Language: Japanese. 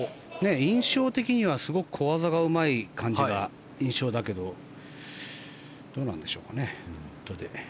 印象的にはすごく小技がうまい感じが印象だけどどうなんでしょうかね。